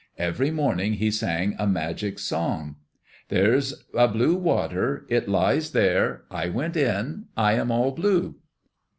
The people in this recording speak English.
Every morning he sang a magic song: "There's a blue water. It lies there. I went in. I am all blue."